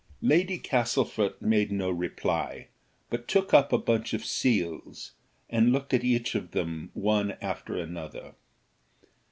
Lady Castlefort made no reply, but took up a bunch of seals, and looked at each of them one after another.